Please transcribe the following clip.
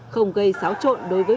không gây xáo trộn đối với